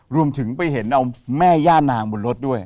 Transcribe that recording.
ไปถึงไปเห็นเอาแม่ย่านางบนรถด้วย